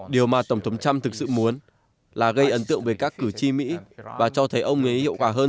điều mà tổng thống trump thực sự muốn là gây ấn tượng về các cử tri mỹ và cho thấy ông ấy hiệu quả hơn